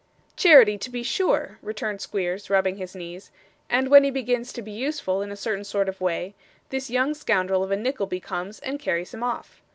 'Charity, to be sure,' returned Squeers, rubbing his knees, 'and when he begins to be useful in a certain sort of way, this young scoundrel of a Nickleby comes and carries him off.